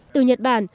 từ nhật bản